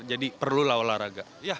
jadi perlulah olahraga